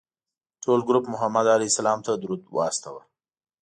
ټول ګروپ محمد علیه السلام ته درود واستوه.